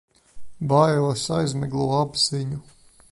Bailes aizmiglo apziņu.